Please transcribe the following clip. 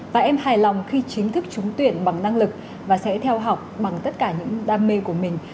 và em hài lòng khi chính thức trúng tuyển bằng năng lực và sẽ theo học bằng tất cả những đam mê của mình